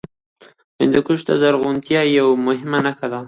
هندوکش د زرغونتیا یوه مهمه نښه ده.